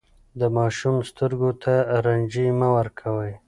د ماشوم سترګو ته رنجې مه ورکوئ.